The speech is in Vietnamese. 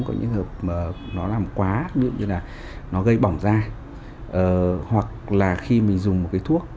có những trường hợp mà nó làm quá ví dụ như là nó gây bỏng da hoặc là khi mình dùng một cái thuốc